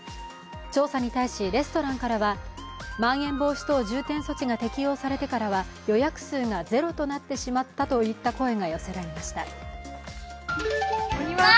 調査に対し、レストランからはまん延防止等重点措置が適用されてからは予約数がゼロとなってしまったといった声が寄せられました。